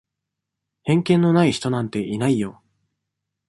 偏見のない人なんていないよ。